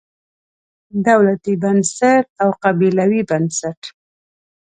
دولتي بنسټ او قبیلوي بنسټ.